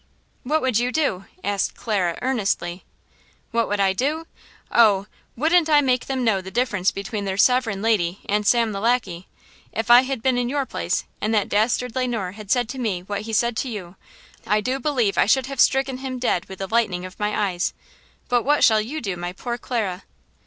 "What would you do?" asked Clara, earnestly. "What would I do? Oh! wouldn't I make them know the difference between their Sovereign Lady and Sam the Lackey? If I had been in your place and that dastard Le Noir had said to me what he said to you, I do believe I should have stricken him dead with the lightning of my eyes! But what shall you do, my poor Clara?"